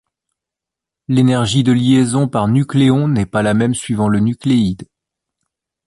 L'énergie de liaison par nucléon n'est pas la même suivant le nucléide.